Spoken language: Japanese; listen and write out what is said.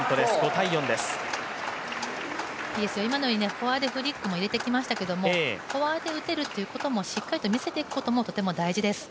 今のでフォアでフリック入れてきましたけどフォアで打てるということもしっかり見せていくことが大事です。